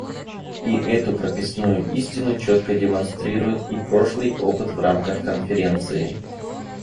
И эту прописную истину четко демонстрирует и прошлый опыт в рамках Конференции.